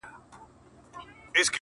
توري شپې سوې سپیني ورځي ښار سینګار سو٫